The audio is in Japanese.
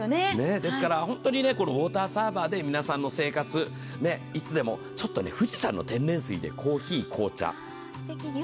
ですからウォーターサーバーで皆さんの生活、いつでも、富士山の天然水でコーヒー、紅茶。